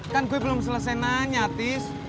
kan gue belum selesai nanya tis